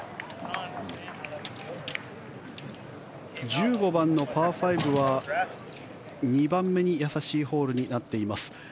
１５番のパー５は２番目に易しいホールになっています。